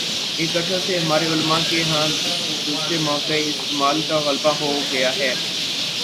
ایک عرصے سے ہمارے علما کے ہاں اس دوسرے موقعِ استعمال کا غلبہ ہو گیا ہے